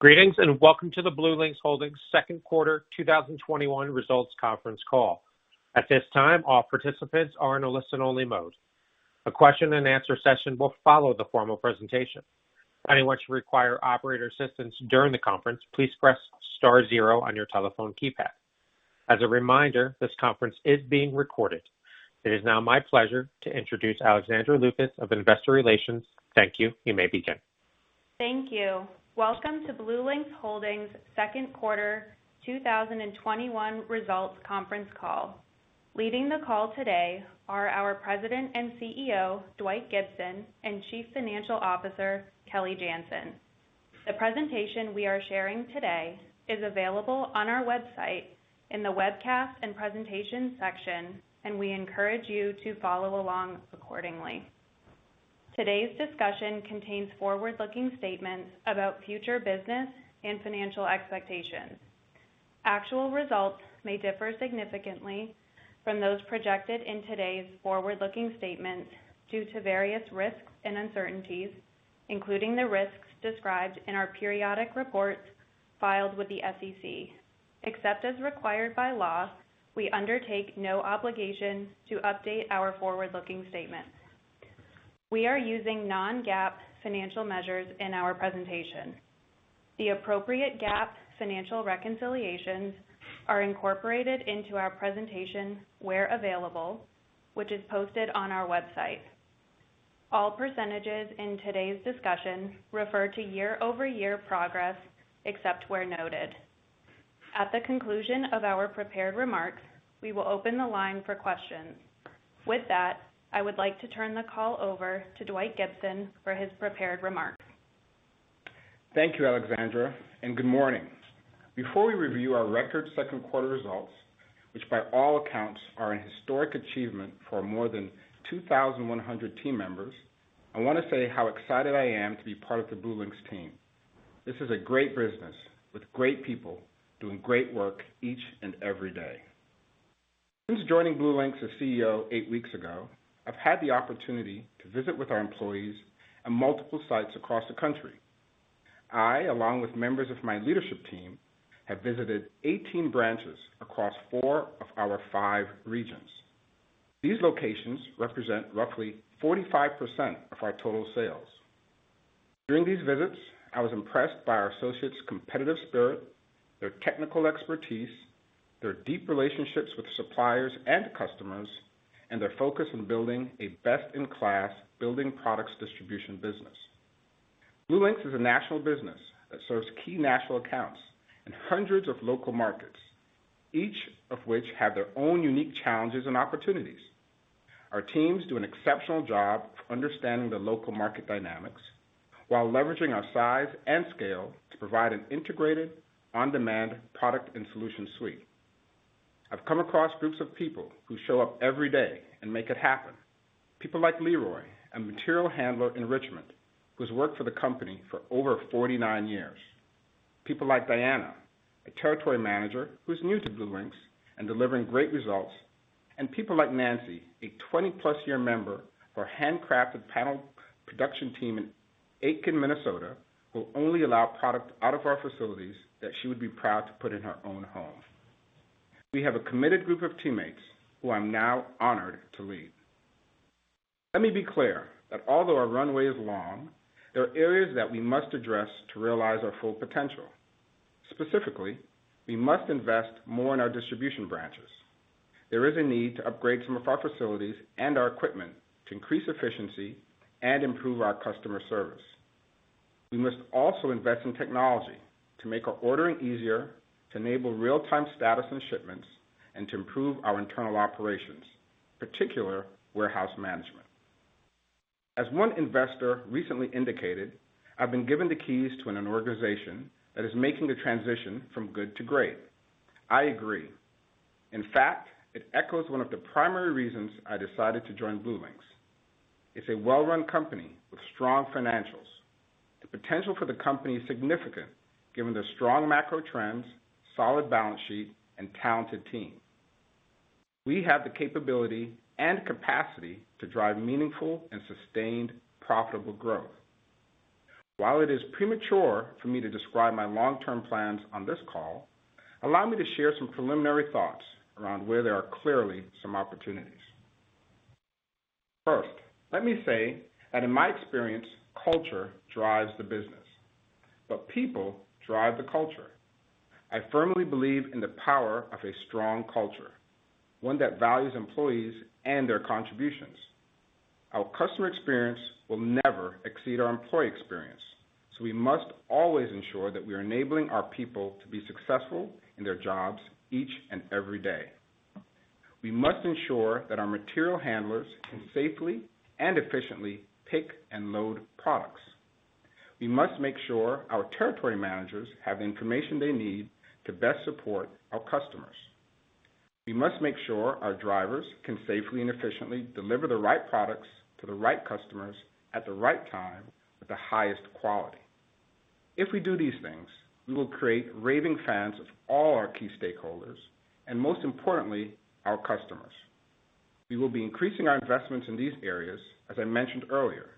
Greetings, and welcome to the BlueLinx Holdings Second quarter 2021 results conference call. At this time, all participants are in a listen-only mode. A question and answer session will follow the formal presentation. It is now my pleasure to introduce Alexandra Lukacs of Investor Relations. Thank you. You may begin. Thank you. Welcome to BlueLinx Holdings second quarter 2021 results conference call. Leading the call today are our President and CEO, Dwight Gibson, and Chief Financial Officer, Kelly Janzen. The presentation we are sharing today is available on our website in the Webcast and Presentation section. We encourage you to follow along accordingly. Today's discussion contains forward-looking statements about future business and financial expectations. Actual results may differ significantly from those projected in today's forward-looking statements due to various risks and uncertainties, including the risks described in our periodic reports filed with the SEC. Except as required by law, we undertake no obligation to update our forward-looking statements. We are using non-GAAP financial measures in our presentation. The appropriate GAAP financial reconciliations are incorporated into our presentation where available, which is posted on our website. All percentages in today's discussion refer to year-over-year progress, except where noted. At the conclusion of our prepared remarks, we will open the line for questions. With that, I would like to turn the call over to Dwight Gibson for his prepared remarks. Thank you, Alexandra, and good morning. Before we review our record second quarter results, which by all accounts are an historic achievement for our more than 2,100 team members, I want to say how excited I am to be part of the BlueLinx team. This is a great business with great people doing great work each and every day. Since joining BlueLinx as CEO eight weeks ago, I've had the opportunity to visit with our employees on multiple sites across the country. I, along with members of my leadership team, have visited 18 branches across four of our five regions. These locations represent roughly 45% of our total sales. During these visits, I was impressed by our associates' competitive spirit, their technical expertise, their deep relationships with suppliers and customers, and their focus on building a best-in-class building products distribution business. BlueLinx is a national business that serves key national accounts in hundreds of local markets, each of which have their own unique challenges and opportunities. Our teams do an exceptional job understanding the local market dynamics while leveraging our size and scale to provide an integrated on-demand product and solution suite. I've come across groups of people who show up every day and make it happen. People like Leroy, a material handler in Richmond, who's worked for the company for over 49 years. People like Diana, a territory manager who's new to BlueLinx and delivering great results. People like Nancy, a 20+ year member of our handcrafted panel production team in Aitkin, Minnesota, will only allow product out of our facilities that she would be proud to put in her own home. We have a committed group of teammates who I'm now honored to lead. Let me be clear that although our runway is long, there are areas that we must address to realize our full potential. Specifically, we must invest more in our distribution branches. There is a need to upgrade some of our facilities and our equipment to increase efficiency and improve our customer service. We must also invest in technology to make our ordering easier, to enable real-time status and shipments, and to improve our internal operations, particular warehouse management. As one investor recently indicated, I've been given the keys to an organization that is making the transition from good to great. I agree. In fact, it echoes one of the primary reasons I decided to join BlueLinx. It's a well-run company with strong financials. The potential for the company is significant given the strong macro trends, solid balance sheet, and talented team. We have the capability and capacity to drive meaningful and sustained profitable growth. While it is premature for me to describe my long-term plans on this call, allow me to share some preliminary thoughts around where there are clearly some opportunities. First, let me say that in my experience, culture drives the business, but people drive the culture. I firmly believe in the power of a strong culture, one that values employees and their contributions. Our customer experience will never exceed our employee experience, so we must always ensure that we are enabling our people to be successful in their jobs each and every day. We must ensure that our material handlers can safely and efficiently pick and load products. We must make sure our territory managers have the information they need to best support our customers. We must make sure our drivers can safely and efficiently deliver the right products to the right customers at the right time with the highest quality. If we do these things, we will create raving fans of all our key stakeholders, and most importantly, our customers. We will be increasing our investments in these areas, as I mentioned earlier,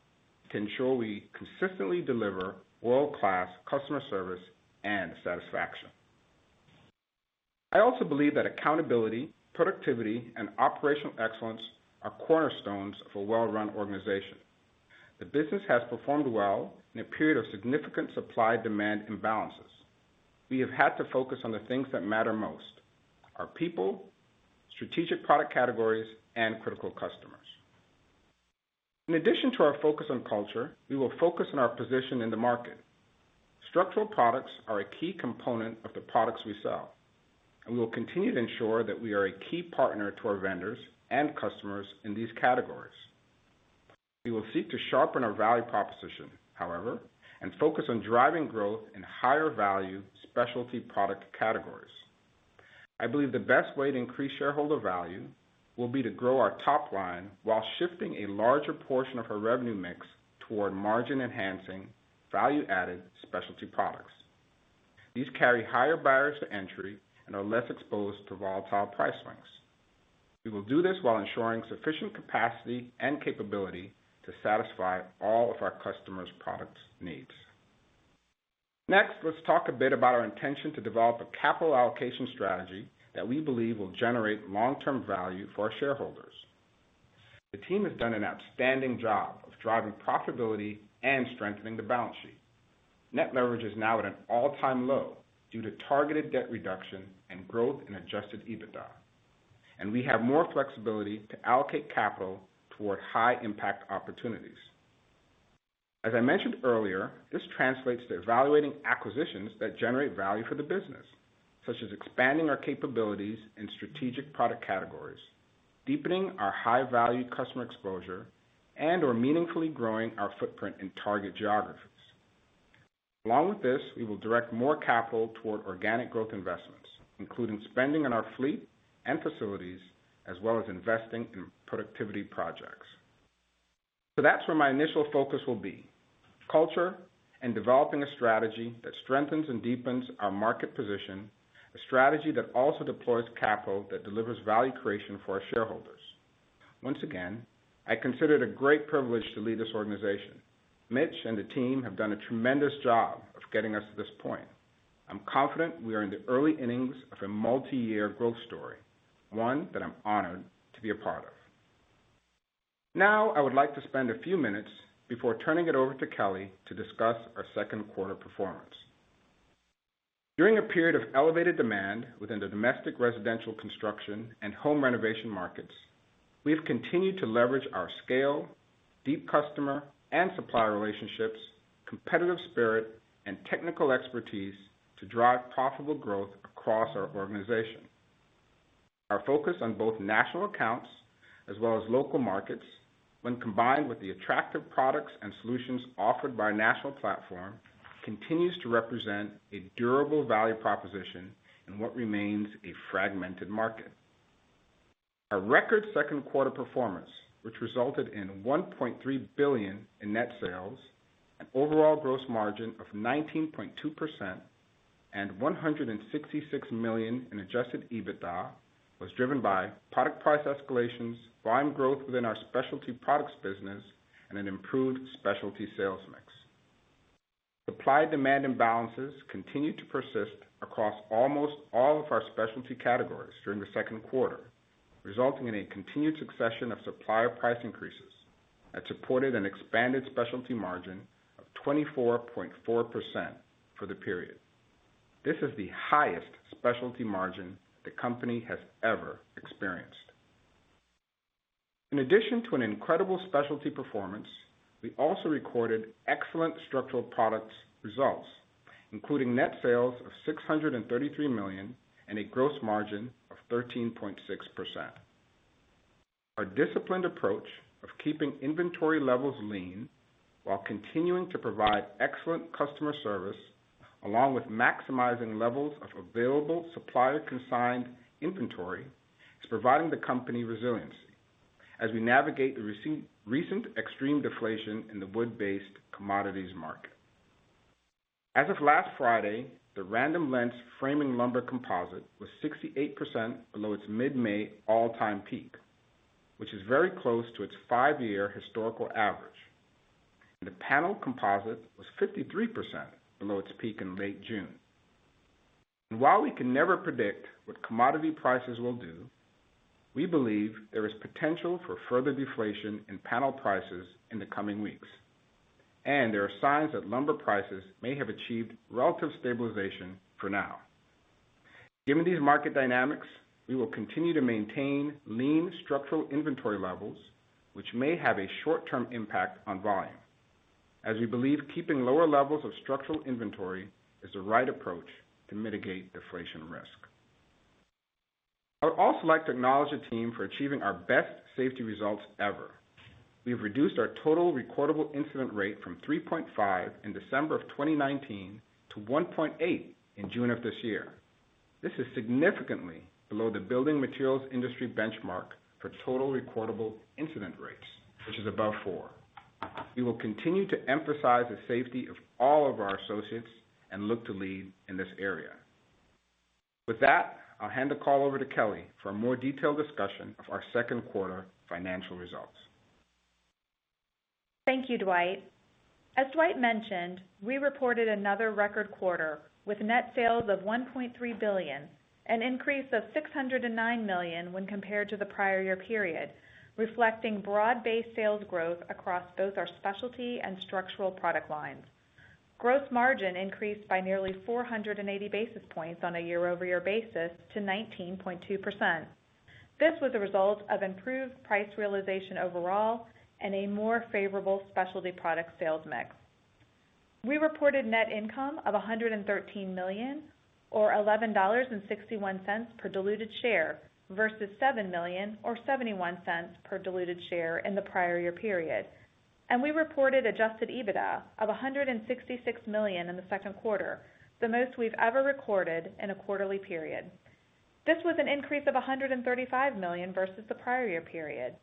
to ensure we consistently deliver world-class customer service and satisfaction. I also believe that accountability, productivity, and operational excellence are cornerstones of a well-run organization. The business has performed well in a period of significant supply-demand imbalances. We have had to focus on the things that matter most, our people, strategic product categories, and critical customers. In addition to our focus on culture, we will focus on our position in the market. Structural products are a key component of the products we sell, and we will continue to ensure that we are a key partner to our vendors and customers in these categories. We will seek to sharpen our value proposition, however, and focus on driving growth in higher value specialty product categories. I believe the best way to increase shareholder value will be to grow our top line while shifting a larger portion of our revenue mix toward margin-enhancing, value-added specialty products. These carry higher barriers to entry and are less exposed to volatile price swings. We will do this while ensuring sufficient capacity and capability to satisfy all of our customers' products needs. Next, let's talk a bit about our intention to develop a capital allocation strategy that we believe will generate long-term value for our shareholders. The team has done an outstanding job of driving profitability and strengthening the balance sheet. Net leverage is now at an all-time low due to targeted debt reduction and growth in adjusted EBITDA, and we have more flexibility to allocate capital toward high-impact opportunities. As I mentioned earlier, this translates to evaluating acquisitions that generate value for the business, such as expanding our capabilities in strategic product categories, deepening our high-value customer exposure, and/or meaningfully growing our footprint in target geographies. Along with this, we will direct more capital toward organic growth investments, including spending on our fleet and facilities, as well as investing in productivity projects. That's where my initial focus will be, culture and developing a strategy that strengthens and deepens our market position, a strategy that also deploys capital that delivers value creation for our shareholders. Once again, I consider it a great privilege to lead this organization. Mitch and the team have done a tremendous job of getting us to this point. I'm confident we are in the early innings of a multi-year growth story, one that I'm honored to be a part of. Now, I would like to spend a few minutes before turning it over to Kelly to discuss our second quarter performance. During a period of elevated demand within the domestic residential construction and home renovation markets, we have continued to leverage our scale, deep customer and supplier relationships, competitive spirit, and technical expertise to drive profitable growth across our organization. Our focus on both national accounts as well as local markets, when combined with the attractive products and solutions offered by our national platform, continues to represent a durable value proposition in what remains a fragmented market. Our record second quarter performance, which resulted in $1.3 billion in net sales, an overall gross margin of 19.2%, and $166 million in adjusted EBITDA, was driven by product price escalations, volume growth within our specialty products business, and an improved specialty sales mix. Supply-demand imbalances continued to persist across almost all of our specialty categories during the second quarter, resulting in a continued succession of supplier price increases that supported an expanded specialty margin of 24.4% for the period. This is the highest specialty margin the company has ever experienced. In addition to an incredible specialty performance, we also recorded excellent structural products results, including net sales of $633 million and a gross margin of 13.6%. Our disciplined approach of keeping inventory levels lean while continuing to provide excellent customer service, along with maximizing levels of available supplier-consigned inventory, is providing the company resiliency as we navigate the recent extreme deflation in the wood-based commodities market. As of last Friday, the Random Lengths framing lumber composite was 68% below its mid-May all-time peak, which is very close to its five-year historical average. The panel composite was 53% below its peak in late June. While we can never predict what commodity prices will do, we believe there is potential for further deflation in panel prices in the coming weeks, and there are signs that lumber prices may have achieved relative stabilization for now. Given these market dynamics, we will continue to maintain lean structural inventory levels, which may have a short-term impact on volume, as we believe keeping lower levels of structural inventory is the right approach to mitigate deflation risk. I would also like to acknowledge the team for achieving our best safety results ever. We've reduced our Total Recordable Incident Rate from 3.5 in December of 2019 to 1.8 in June of this year. This is significantly below the building materials industry benchmark for Total Recordable Incident Rates, which is above four. We will continue to emphasize the safety of all of our associates and look to lead in this area. With that, I'll hand the call over to Kelly for a more detailed discussion of our second quarter financial results. Thank you, Dwight. As Dwight mentioned, we reported another record quarter with net sales of $1.3 billion, an increase of $609 million when compared to the prior year period, reflecting broad-based sales growth across both our specialty and structural product lines. Gross margin increased by nearly 480 basis points on a year-over-year basis to 19.2%. This was a result of improved price realization overall and a more favorable specialty product sales mix. We reported net income of $113 million, or $11.61 per diluted share, versus $7 million or $0.71 per diluted share in the prior year period. We reported adjusted EBITDA of $166 million in the second quarter, the most we've ever recorded in a quarterly period. This was an increase of $135 million versus the prior year period.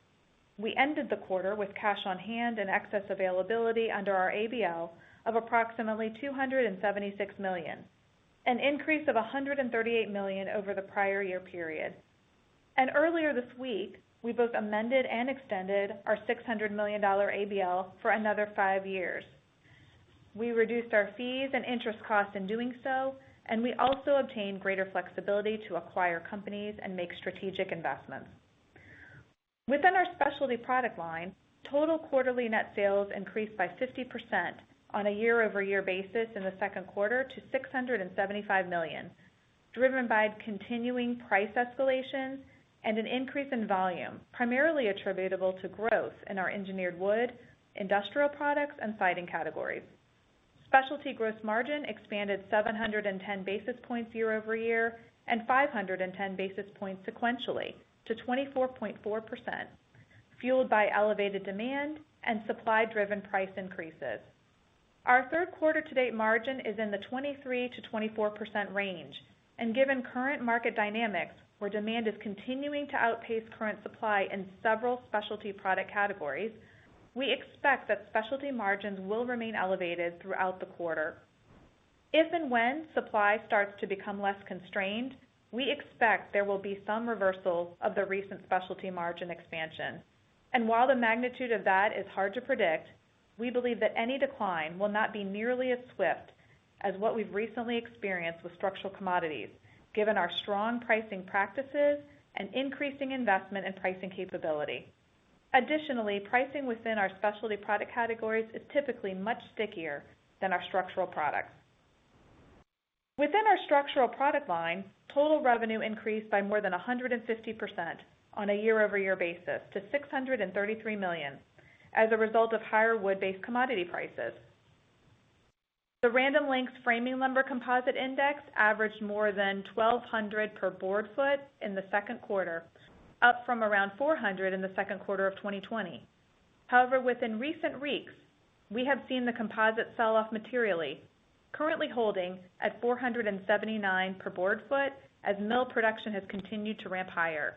We ended the quarter with cash on hand and excess availability under our ABL of approximately $276 million, an increase of $138 million over the prior year period. Earlier this week, we both amended and extended our $600 million ABL for another five years. We reduced our fees and interest costs in doing so, and we also obtained greater flexibility to acquire companies and make strategic investments. Within our specialty product line, total quarterly net sales increased by 50% on a year-over-year basis in the second quarter to $675 million, driven by continuing price escalation and an increase in volume, primarily attributable to growth in our engineered wood, industrial products, and siding categories. Specialty gross margin expanded 710 basis points year-over-year and 510 basis points sequentially to 24.4%, fueled by elevated demand and supply-driven price increases. Our third quarter to date margin is in the 23%-24% range, and given current market dynamics, where demand is continuing to outpace current supply in several specialty product categories, we expect that specialty margins will remain elevated throughout the quarter. If and when supply starts to become less constrained, we expect there will be some reversal of the recent specialty margin expansion. While the magnitude of that is hard to predict, we believe that any decline will not be nearly as swift as what we've recently experienced with structural commodities, given our strong pricing practices and increasing investment in pricing capability. Additionally, pricing within our specialty product categories is typically much stickier than our structural products. Within our structural product line, total revenue increased by more than 150% on a year-over-year basis to $633 million as a result of higher wood-based commodity prices. The Random Lengths framing lumber composite index averaged more than $1,200 per board foot in the second quarter, up from around $400 in the second quarter of 2020. However, within recent weeks, we have seen the composite sell off materially, currently holding at $479 per board foot as mill production has continued to ramp higher.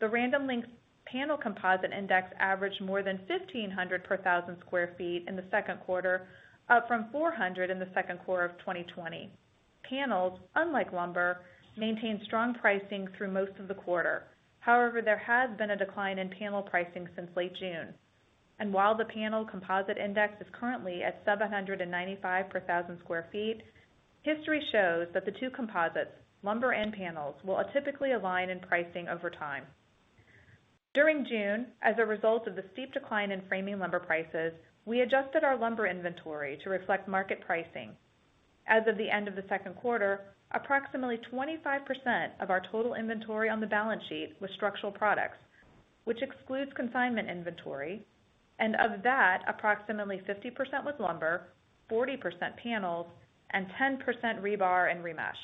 The Random Lengths panel composite index averaged more than $1,500 per 1,000 sq ft in the second quarter, up from $400 in the second quarter of 2020. Panels, unlike lumber, maintained strong pricing through most of the quarter. However, there has been a decline in panel pricing since late June. While the panel composite index is currently at $795 per 1,000 sq ft, history shows that the two composites, lumber and panels, will typically align in pricing over time. During June, as a result of the steep decline in framing lumber prices, we adjusted our lumber inventory to reflect market pricing. As of the end of the second quarter, approximately 25% of our total inventory on the balance sheet was structural products, which excludes consignment inventory, and of that, approximately 50% was lumber, 40% panels, and 10% rebar and remesh.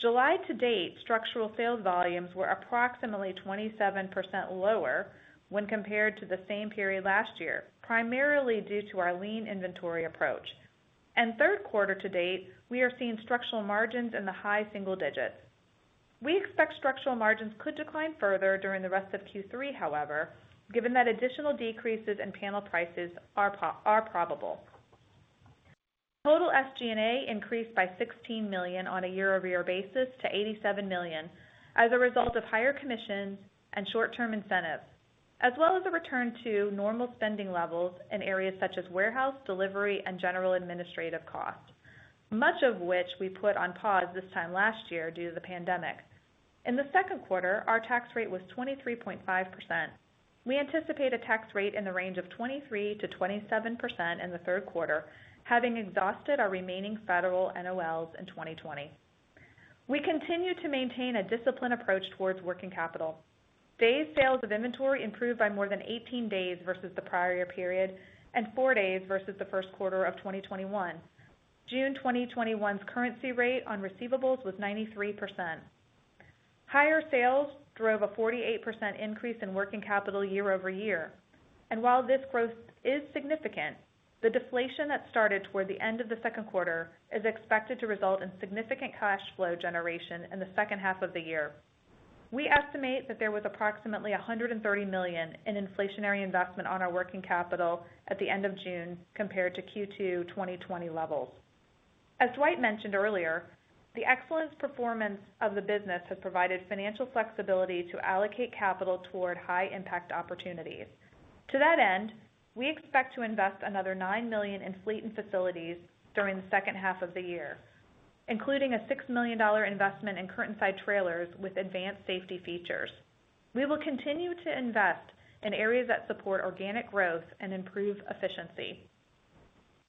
July to date, structural sales volumes were approximately 27% lower when compared to the same period last year, primarily due to our lean inventory approach. Third quarter to date, we are seeing structural margins in the high single digits. We expect structural margins could decline further during the rest of Q3, however, given that additional decreases in panel prices are probable. Total SG&A increased by $16 million on a year-over-year basis to $87 million as a result of higher commissions and short-term incentives, as well as a return to normal spending levels in areas such as warehouse, delivery, and general administrative costs, much of which we put on pause this time last year due to the pandemic. In the second quarter, our tax rate was 23.5%. We anticipate a tax rate in the range of 23%-27% in the third quarter, having exhausted our remaining federal NOLs in 2020. We continue to maintain a disciplined approach towards working capital. Days Sales of Inventory improved by more than 18 days versus the prior year period and four days versus the first quarter of 2021. June 2021's currency rate on receivables was 93%. Higher sales drove a 48% increase in working capital year-over-year. While this growth is significant, the deflation that started toward the end of the second quarter is expected to result in significant cash flow generation in the second half of the year. We estimate that there was approximately $130 million in inflationary investment on our working capital at the end of June compared to Q2 2020 levels. As Dwight mentioned earlier, the excellent performance of the business has provided financial flexibility to allocate capital toward high-impact opportunities. To that end, we expect to invest another $9 million in fleet and facilities during the second half of the year, including a $6 million investment in curtainside trailers with advanced safety features. We will continue to invest in areas that support organic growth and improve efficiency.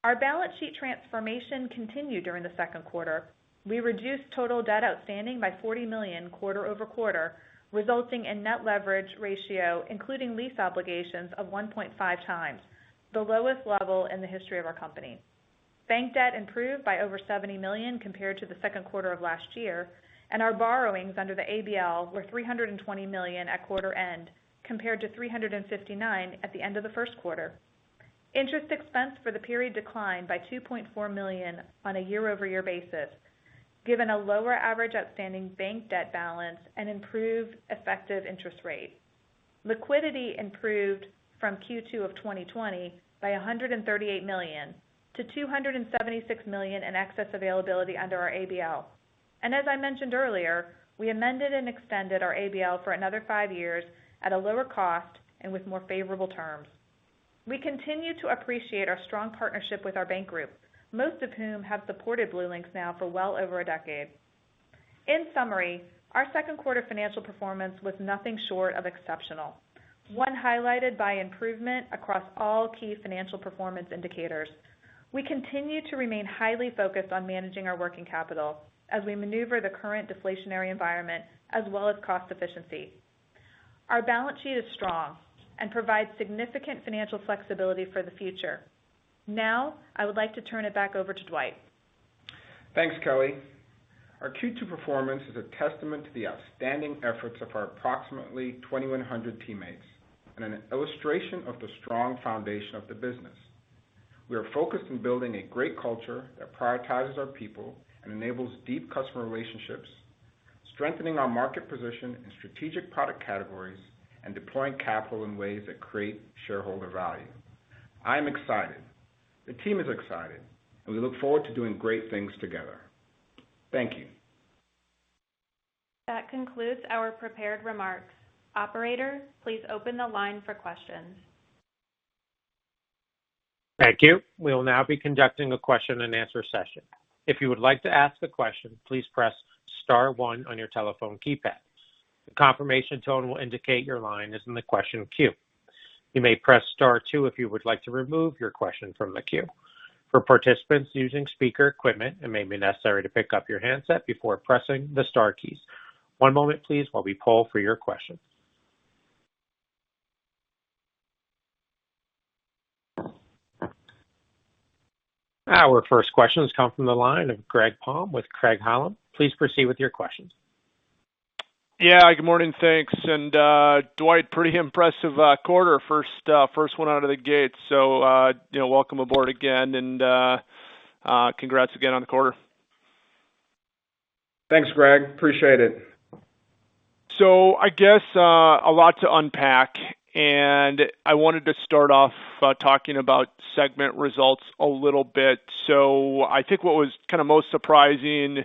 Our balance sheet transformation continued during the second quarter. We reduced total debt outstanding by $40 million quarter-over-quarter, resulting in net leverage ratio including lease obligations of 1.5x, the lowest level in the history of our company. Bank debt improved by over $70 million compared to the second quarter of last year, and our borrowings under the ABL were $320 million at quarter end, compared to $359 million at the end of the first quarter. Interest expense for the period declined by $2.4 million on a year-over-year basis, given a lower average outstanding bank debt balance and improved effective interest rate. Liquidity improved from Q2 of 2020 by $138 million-$276 million in excess availability under our ABL. As I mentioned earlier, we amended and extended our ABL for another five years at a lower cost and with more favorable terms. We continue to appreciate our strong partnership with our bank group, most of whom have supported BlueLinx now for well over a decade. In summary, our second quarter financial performance was nothing short of exceptional. One highlighted by improvement across all key financial performance indicators. We continue to remain highly focused on managing our working capital as we maneuver the current deflationary environment as well as cost efficiency. Our balance sheet is strong and provides significant financial flexibility for the future. Now, I would like to turn it back over to Dwight. Thanks, Kelly. Our Q2 performance is a testament to the outstanding efforts of our approximately 2,100 teammates and an illustration of the strong foundation of the business. We are focused on building a great culture that prioritizes our people and enables deep customer relationships, strengthening our market position in strategic product categories, and deploying capital in ways that create shareholder value. I'm excited, the team is excited, and we look forward to doing great things together. Thank you. That concludes our prepared remarks. Operator, please open the line for questions. Thank you. We will now be conducting a question and answer session. If you would like to ask a question, please press star one on your telephone keypad. The confirmation tone will indicate your line is in the question queue. You may press star two if you would like to remove your question from the queue. For participants using speaker equipment, it may be necessary to pick up your handset before pressing the star keys. One moment please while we poll for your questions. Our first questions come from the line of Greg Palm with Craig-Hallum. Please proceed with your questions. Yeah, good morning. Thanks. Dwight, pretty impressive quarter. First one out of the gate. Welcome aboard again, and congrats again on the quarter. Thanks, Greg. Appreciate it. I guess a lot to unpack, and I wanted to start off talking about segment results a little bit. I think what was kind of most surprising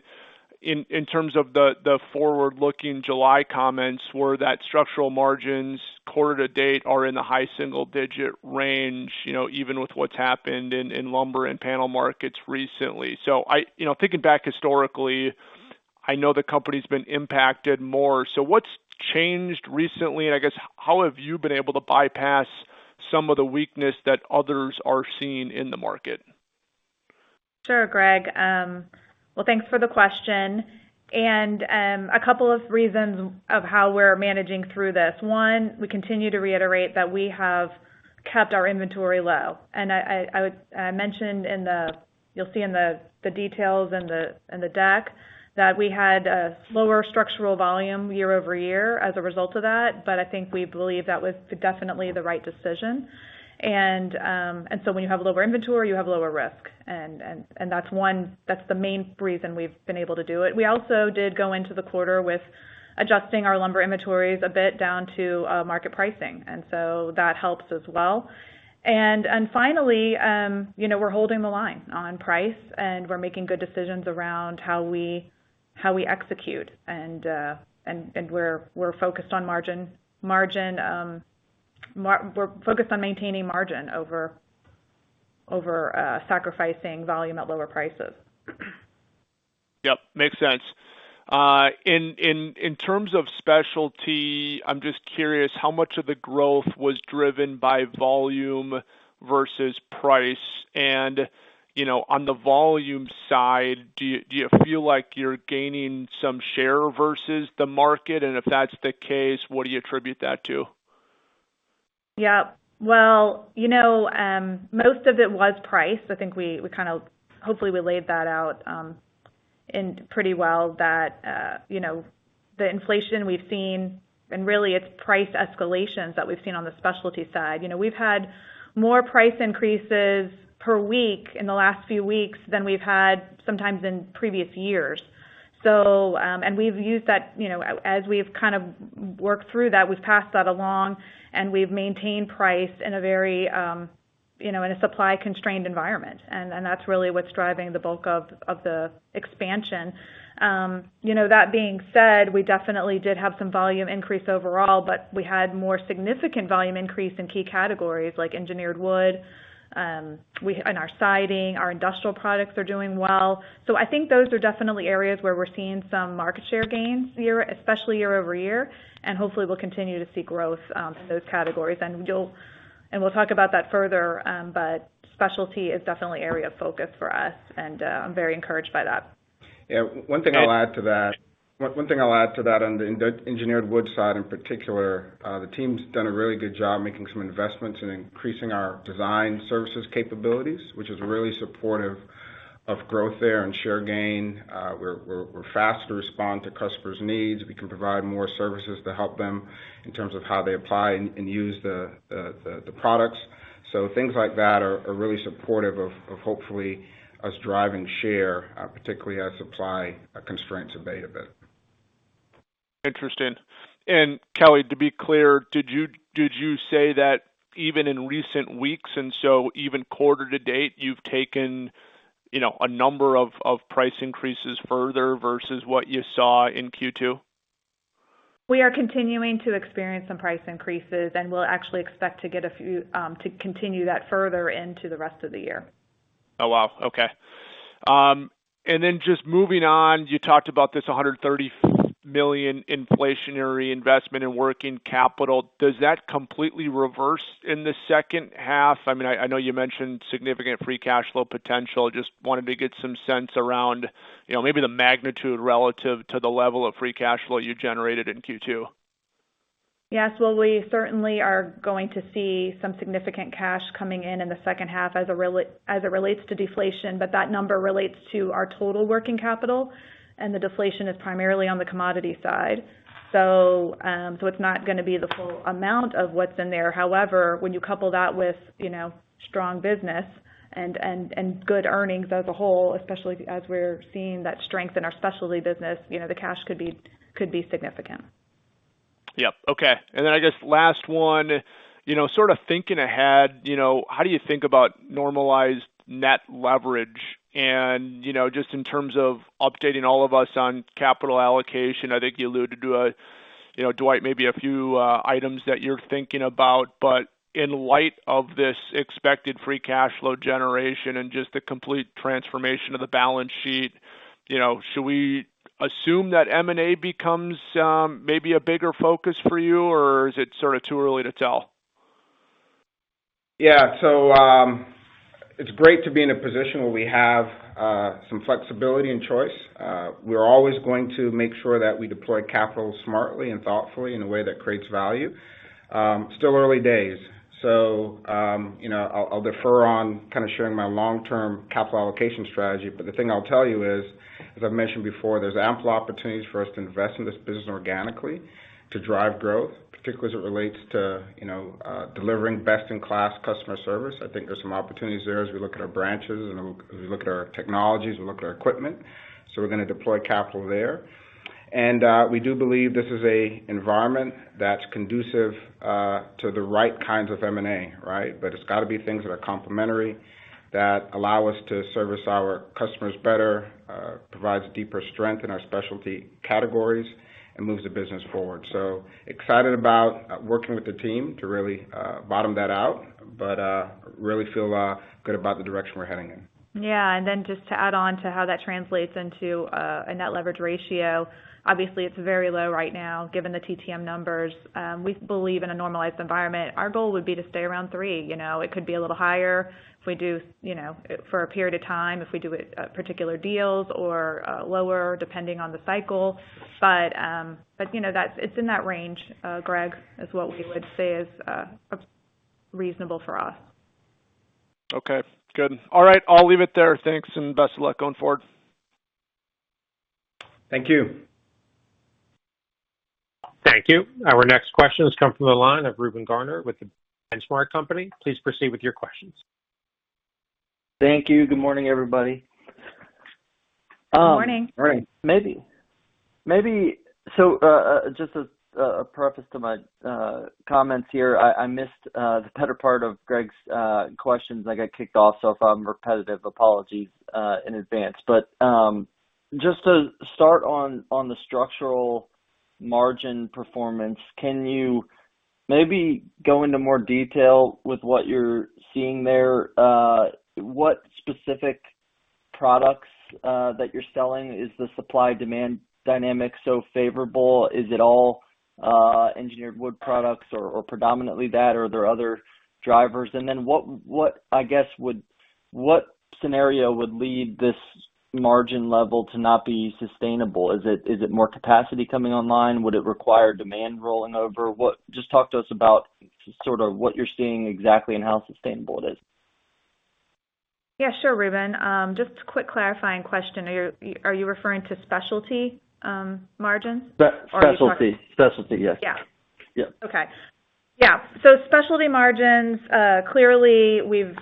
in terms of the forward-looking July comments were that structural margins quarter to date are in the high single-digit range, even with what's happened in lumber and panel markets recently. Thinking back historically, I know the company's been impacted more. What's changed recently, and I guess how have you been able to bypass some of the weakness that others are seeing in the market? Sure, Greg. Well, thanks for the question. A couple of reasons of how we're managing through this. One, we continue to reiterate that we have kept our inventory low. I mentioned, you'll see in the details in the deck that we had a slower structural volume year-over-year as a result of that. I think we believe that was definitely the right decision. When you have lower inventory, you have lower risk, and that's the main reason we've been able to do it. We also did go into the quarter with adjusting our lumber inventories a bit down to market pricing, and so that helps as well. Finally, we're holding the line on price, and we're making good decisions around how we execute. We're focused on maintaining margin over sacrificing volume at lower prices. Yep, makes sense. In terms of specialty, I'm just curious how much of the growth was driven by volume versus price? On the volume side, do you feel like you're gaining some share versus the market? If that's the case, what do you attribute that to? Yeah. Well, most of it was price. I think hopefully we laid that out pretty well that the inflation we've seen. Really it's price escalations that we've seen on the specialty side. We've had more price increases per week in the last few weeks than we've had sometimes in previous years. As we've kind of worked through that, we've passed that along and we've maintained price in a supply constrained environment, and that's really what's driving the bulk of the expansion. That being said, we definitely did have some volume increase overall, but we had more significant volume increase in key categories like engineered wood, and our siding, our industrial products are doing well. I think those are definitely areas where we're seeing some market share gains, especially year-over-year, and hopefully we'll continue to see growth in those categories. We'll talk about that further, but specialty is definitely an area of focus for us, and I'm very encouraged by that. Yeah. One thing I'll add to that on the engineered wood side in particular, the team's done a really good job making some investments in increasing our design services capabilities, which is really supportive of growth there and share gain. We're fast to respond to customers' needs. We can provide more services to help them in terms of how they apply and use the products. Things like that are really supportive of hopefully us driving share, particularly as supply constraints abate a bit. Interesting. Kelly, to be clear, did you say that even in recent weeks, and so even quarter to date, you've taken a number of price increases further versus what you saw in Q2? We are continuing to experience some price increases, and we'll actually expect to continue that further into the rest of the year. Oh, wow. Okay. just moving on, you talked about this $130 million inflationary investment in working capital. Does that completely reverse in the second half? I know you mentioned significant free cash flow potential. Just wanted to get some sense around maybe the magnitude relative to the level of free cash flow you generated in Q2. Yes. Well, we certainly are going to see some significant cash coming in the second half as it relates to deflation, but that number relates to our total working capital, and the deflation is primarily on the commodity side. It's not going to be the full amount of what's in there. However, when you couple that with strong business and good earnings as a whole, especially as we're seeing that strength in our specialty business, the cash could be significant. Yep. Okay. I guess last one, sort of thinking ahead, how do you think about normalized net leverage? Just in terms of updating all of us on capital allocation, I think you alluded to, Dwight, maybe a few items that you're thinking about, but in light of this expected free cash flow generation and just the complete transformation of the balance sheet, should we assume that M&A becomes maybe a bigger focus for you, or is it sort of too early to tell? Yeah. It's great to be in a position where we have some flexibility and choice. We're always going to make sure that we deploy capital smartly and thoughtfully in a way that creates value. Still early days, so I'll defer on kind of sharing my long-term capital allocation strategy. The thing I'll tell you is, as I've mentioned before, there's ample opportunities for us to invest in this business organically to drive growth, particularly as it relates to delivering best-in-class customer service. I think there's some opportunities there as we look at our branches and as we look at our technologies, we look at our equipment. We're going to deploy capital there. We do believe this is a environment that's conducive to the right kinds of M&A, right? It's got to be things that are complementary, that allow us to service our customers better, provides deeper strength in our specialty categories, and moves the business forward. excited about working with the team to really bottom that out, but really feel good about the direction we're heading in. Yeah. just to add on to how that translates into a net leverage ratio, obviously it's very low right now, given the TTM numbers. We believe in a normalized environment, our goal would be to stay around three. It could be a little higher for a period of time if we do particular deals or lower, depending on the cycle. it's in that range, Greg, is what we would say is reasonable for us. Okay, good. All right. I'll leave it there. Thanks, and best of luck going forward. Thank you. Thank you. Our next question has come from the line of Reuben Garner with The Benchmark Company. Please proceed with your questions. Thank you. Good morning, everybody. Good morning. All right. Maybe. Just as a preface to my comments here, I missed the better part of Greg's questions. I got kicked off. If I'm repetitive, apologies in advance. Just to start on the structural margin performance, can you maybe go into more detail with what you're seeing there? What specific products that you're selling is the supply-demand dynamic so favorable? Is it all engineered wood products or predominantly that, or are there other drivers? What scenario would lead this margin level to not be sustainable? Is it more capacity coming online? Would it require demand rolling over? Just talk to us about sort of what you're seeing exactly and how sustainable it is. Yeah, sure, Reuben. Just a quick clarifying question. Are you referring to specialty margins? Specialty, yes. Yeah. Yeah. Okay. Yeah. specialty margins, clearly we've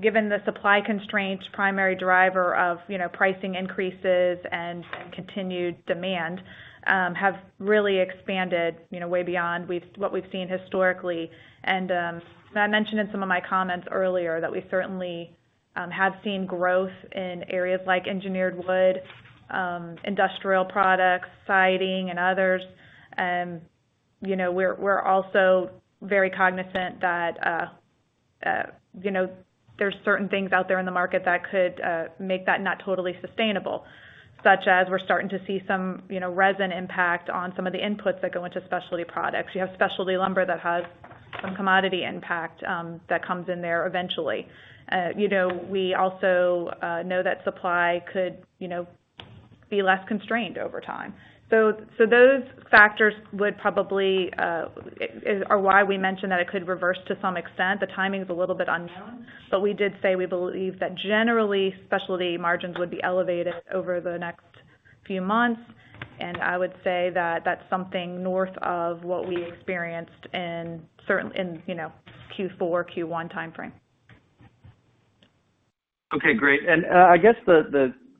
given the supply constraints primary driver of pricing increases and continued demand, have really expanded way beyond what we've seen historically. I mentioned in some of my comments earlier that we certainly have seen growth in areas like engineered wood, industrial products, siding, and others. We're also very cognizant that there's certain things out there in the market that could make that not totally sustainable, such as we're starting to see some resin impact on some of the inputs that go into specialty products. You have specialty lumber that has some commodity impact that comes in there eventually. We also know that supply could be less constrained over time. those factors are why we mentioned that it could reverse to some extent. The timing's a little bit unknown, but we did say we believe that generally, specialty margins would be elevated over the next few months, and I would say that that's something north of what we experienced in Q4, Q1 timeframe. Okay, great. I guess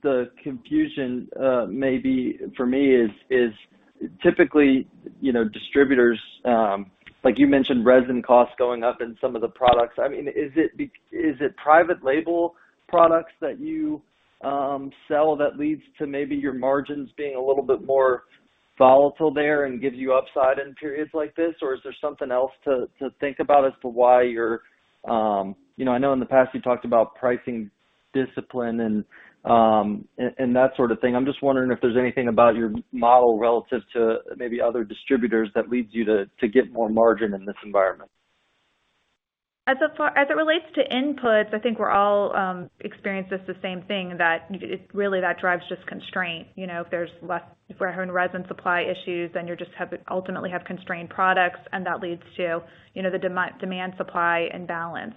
the confusion maybe for me is, typically, distributors, like you mentioned resin costs going up in some of the products. Is it private label products that you sell that leads to maybe your margins being a little bit more volatile there and gives you upside in periods like this? Is there something else to think about as to I know in the past you talked about pricing discipline and that sort of thing. I'm just wondering if there's anything about your model relative to maybe other distributors that leads you to get more margin in this environment. As it relates to inputs, I think we're all experiencing the same thing, that really that drives just constraint. If we're having resin supply issues, then you just ultimately have constrained products, and that leads to the demand-supply imbalance.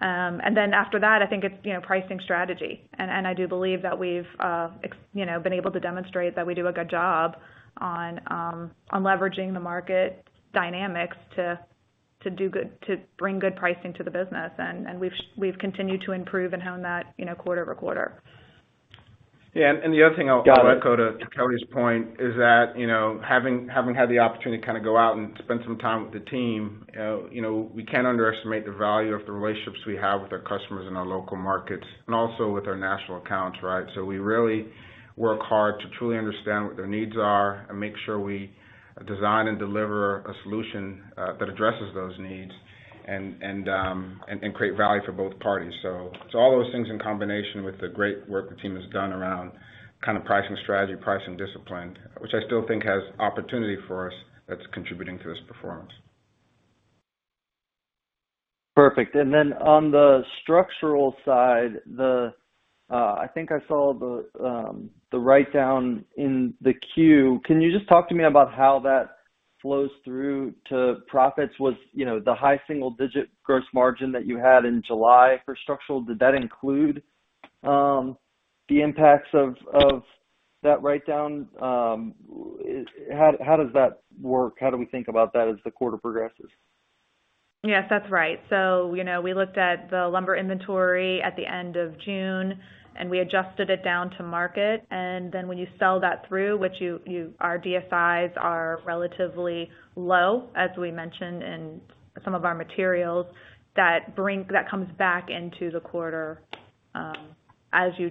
After that, I think it's pricing strategy, and I do believe that we've been able to demonstrate that we do a good job on leveraging the market dynamics to bring good pricing to the business. We've continued to improve and hone that quarter-over-quarter. Yeah. The other thing I'll echo. Got it. To Kelly's point is that, having had the opportunity to go out and spend some time with the team, we can't underestimate the value of the relationships we have with our customers and our local markets, and also with our national accounts, right? We really work hard to truly understand what their needs are and make sure we design and deliver a solution that addresses those needs and create value for both parties. All those things in combination with the great work the team has done around kind of pricing strategy, pricing discipline, which I still think has opportunity for us, that's contributing to this performance. Perfect. on the structural side, I think I saw the write-down in the Q. Can you just talk to me about how that flows through to profits? With the high single-digit gross margin that you had in July for structural, did that include the impacts of that write-down? How does that work? How do we think about that as the quarter progresses? Yes, that's right. We looked at the lumber inventory at the end of June, and we adjusted it down to market. When you sell that through, which our DSIs are relatively low, as we mentioned, in some of our materials, that comes back into the quarter as you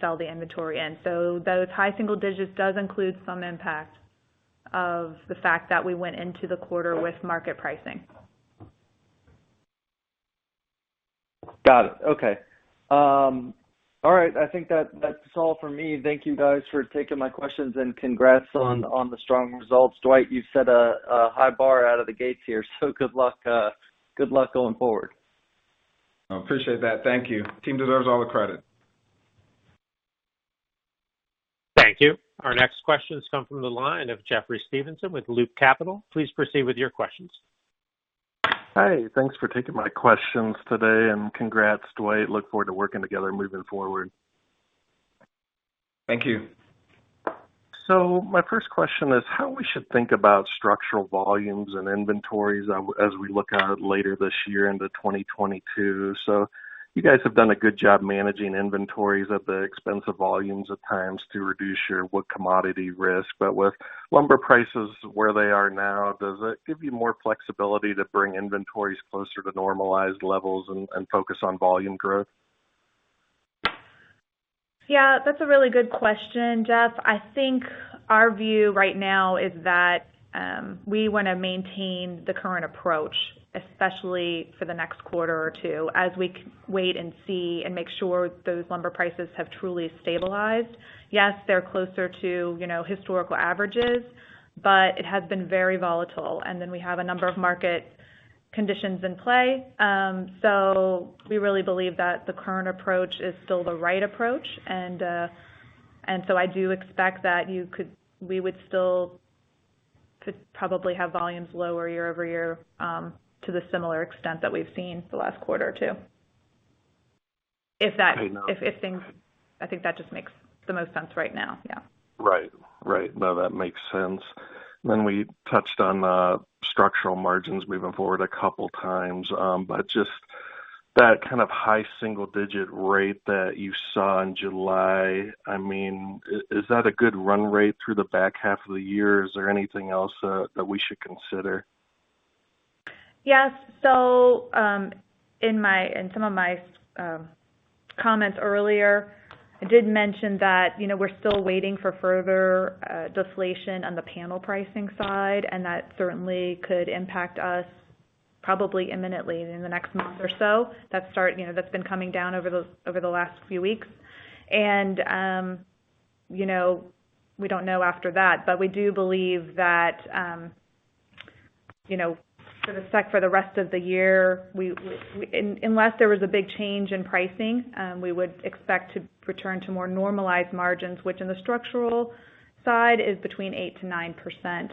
sell the inventory. Those high single digits does include some impact of the fact that we went into the quarter with market pricing. Got it. Okay. All right. I think that's all from me. Thank you guys for taking my questions, and congrats on the strong results. Dwight, you've set a high bar out of the gates here, so good luck going forward. I appreciate that. Thank you. Team deserves all the credit. Thank you. Our next questions come from the line of Jeffrey Stevenson with Loop Capital. Please proceed with your questions. Hi. Thanks for taking my questions today, and congrats, Dwight. I look forward to working together moving forward. Thank you. My first question is how we should think about structural volumes and inventories as we look out later this year into 2022. you guys have done a good job managing inventories at the expense of volumes at times to reduce your wood commodity risk. with lumber prices where they are now, does it give you more flexibility to bring inventories closer to normalized levels and focus on volume growth? Yeah, that's a really good question, Jeff. I think our view right now is that we want to maintain the current approach, especially for the next quarter or two, as we wait and see and make sure those lumber prices have truly stabilized. Yes, they're closer to historical averages, but it has been very volatile, and then we have a number of market conditions in play. We really believe that the current approach is still the right approach. I do expect that we would still could probably have volumes lower year-over-year to the similar extent that we've seen the last quarter or two. I think that just makes the most sense right now, yeah. Right. No, that makes sense. We touched on the structural margins moving forward a couple times, but just that kind of high single-digit rate that you saw in July, is that a good run rate through the back half of the year? Is there anything else that we should consider? Yes. In some of my comments earlier, I did mention that we're still waiting for further deflation on the panel pricing side, and that certainly could impact us probably imminently in the next month or so. That's been coming down over the last few weeks. We don't know after that, but we do believe that for the rest of the year, unless there was a big change in pricing, we would expect to return to more normalized margins, which in the structural side is between 8%-9%.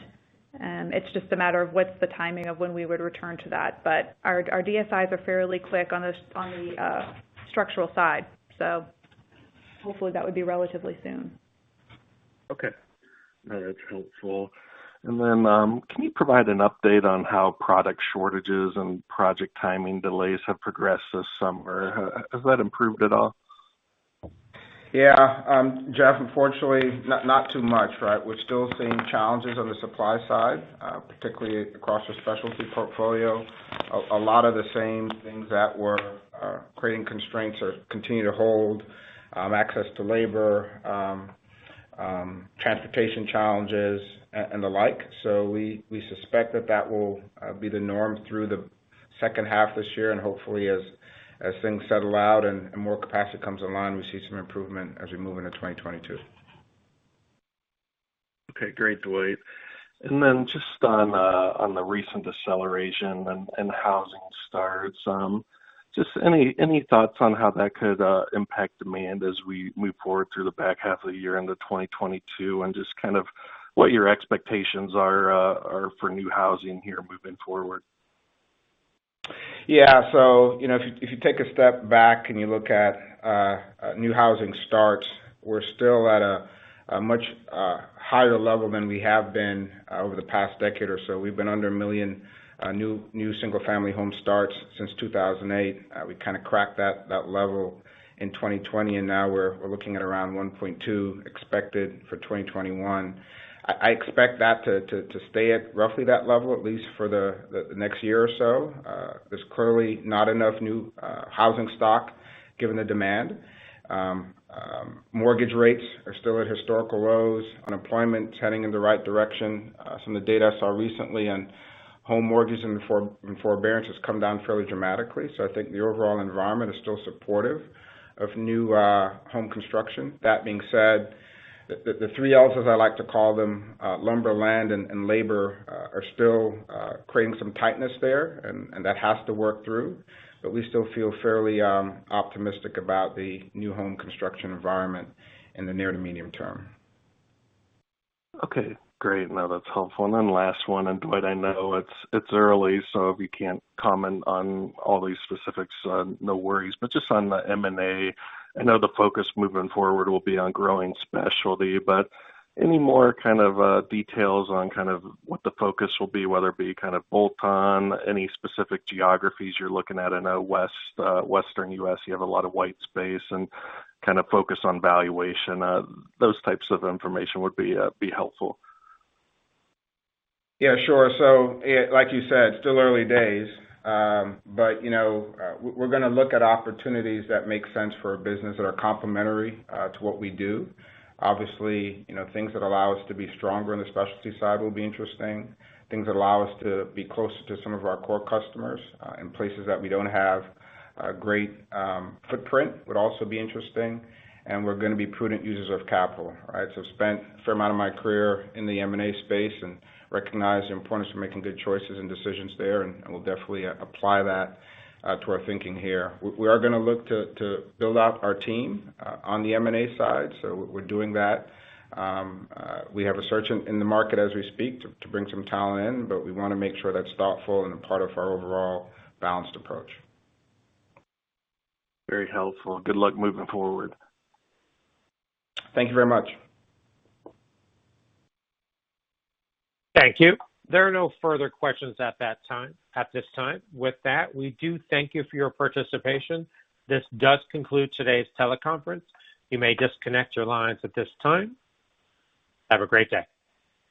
It's just a matter of what's the timing of when we would return to that. Our DSIs are fairly quick on the structural side, so hopefully that would be relatively soon. Okay. No, that's helpful. Can you provide an update on how product shortages and project timing delays have progressed this summer? Has that improved at all? Yeah. Jeff, unfortunately, not too much, right? We're still seeing challenges on the supply side, particularly across the specialty portfolio. A lot of the same things that were creating constraints continue to hold. Access to labor, transportation challenges, and the like. We suspect that that will be the norm through the second half of this year. Hopefully as things settle out and more capacity comes online, we see some improvement as we move into 2022. Okay. Great, Dwight. Just on the recent deceleration in housing starts, just any thoughts on how that could impact demand as we move forward through the back half of the year into 2022, and just what your expectations are for new housing here moving forward? Yeah. If you take a step back and you look at new housing starts, we're still at a much higher level than we have been over the past decade or so. We've been under a million new single-family home starts since 2008. We kind of cracked that level in 2020, and now we're looking at around 1.2 million expected for 2021. I expect that to stay at roughly that level, at least for the next year or so. There's clearly not enough new housing stock given the demand. Mortgage rates are still at historical lows. Unemployment's heading in the right direction. Some of the data I saw recently on home mortgages and forbearance has come down fairly dramatically. I think the overall environment is still supportive of new home construction. That being said, the three Ls as I like to call them, lumber, land, and labor, are still creating some tightness there, and that has to work through. We still feel fairly optimistic about the new home construction environment in the near to medium term. Okay, great. No, that's helpful. last one, and Dwight, I know it's early, so if you can't comment on all these specifics, no worries. just on the M&A, I know the focus moving forward will be on growing specialty, but any more kind of details on what the focus will be, whether it be bolt-on, any specific geographies you're looking at? I know Western U.S., you have a lot of white space and kind of focus on valuation. Those types of information would be helpful. Yeah, sure. Like you said, still early days. We're going to look at opportunities that make sense for a business that are complementary to what we do. Obviously, things that allow us to be stronger on the specialty side will be interesting. Things that allow us to be closer to some of our core customers in places that we don't have a great footprint would also be interesting, and we're going to be prudent users of capital, right? Spent a fair amount of my career in the M&A space and recognize the importance of making good choices and decisions there, and we'll definitely apply that to our thinking here. We are going to look to build out our team on the M&A side. We're doing that. We have a search in the market as we speak to bring some talent in, but we want to make sure that's thoughtful and a part of our overall balanced approach. Very helpful. Good luck moving forward. Thank you very much. Thank you. There are no further questions at this time. With that, we do thank you for your participation. This does conclude today's teleconference. You may disconnect your lines at this time. Have a great day.